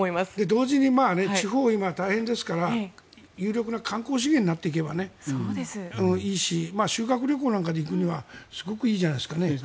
同時に地方は今大変ですから有力な観光資源になっていけばいいし修学旅行なんかで行くにはすごくいいじゃないですか。